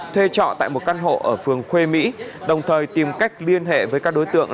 thuê trọ tại một căn hộ ở phường khuê mỹ đồng thời tìm cách liên hệ với các đối tượng